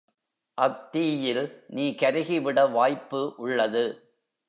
அத்தீயில் நீ கருகிவிட வாய்ப்பு உள்ளது.